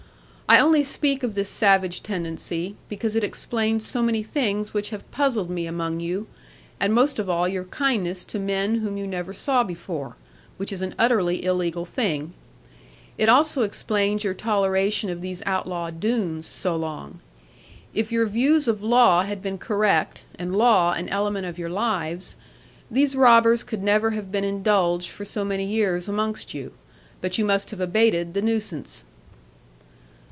I only speak of this savage tendency, because it explains so many things which have puzzled me among you, and most of all your kindness to men whom you never saw before; which is an utterly illegal thing. It also explains your toleration of these outlaw Doones so long. If your views of law had been correct, and law an element of your lives, these robbers could never have been indulged for so many years amongst you: but you must have abated the nuisance.'